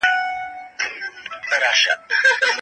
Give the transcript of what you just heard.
څیړنه وکړئ.